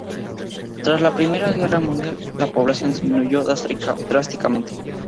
Tras la Primera Guerra Mundial la población disminuyó drásticamente.